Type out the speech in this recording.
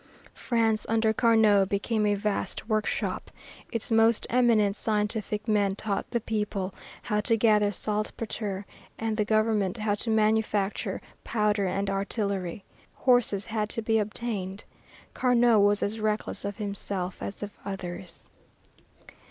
France, under Camot, became a vast workshop. Its most eminent scientific men taught the people how to gather saltpetre and the government how to manufacture powder and artillery. Horses had to be obtained. Carnot was as reckless of himself as of others.